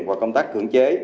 và công tác cưỡng chế